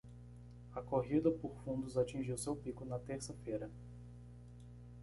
A corrida por fundos atingiu seu pico na terça-feira.